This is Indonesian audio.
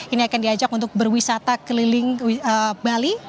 ini akan diajak untuk berwisata keliling bali